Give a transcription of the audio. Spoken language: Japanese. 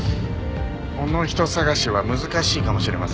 この人捜しは難しいかもしれません。